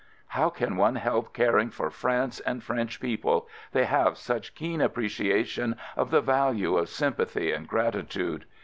How can one help caring for France and French people — they have such keen appreciation of the value of sympathy and gratitude.